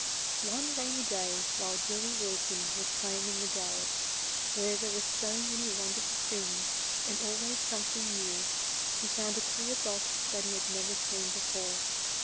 Oxe rainy clay while Billy Wilson was play ing in the garret, where there were so many wonderful things and always something new, he found a queer box that he had never seen before.